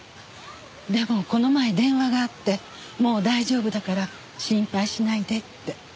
でもこの前電話があってもう大丈夫だから心配しないでって。